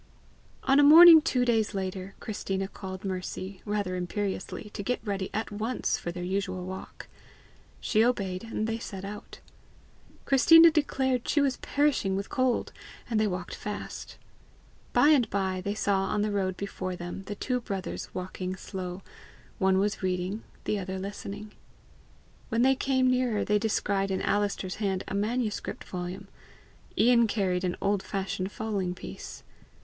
On a morning two days later, Christina called Mercy, rather imperiously, to get ready at once for their usual walk. She obeyed, and they set out. Christina declared she was perishing with cold, and they walked fast. By and by they saw on the road before them the two brothers walking slow; one was reading, the other listening. When they came nearer they descried in Alister's hand a manuscript volume; Ian carried an old fashioned fowling piece.